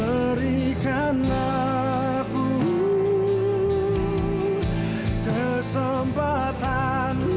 aku akan mencari penyembuhanmu